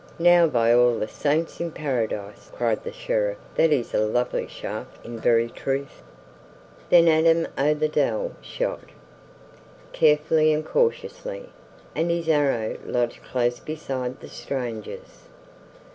"Now by all the saints in Paradise!" cried the Sheriff, "that is a lovely shaft in very truth!" Then Adam o' the Dell shot, carefully and cautiously, and his arrow lodged close beside the stranger's.